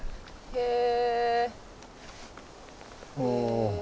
へえ。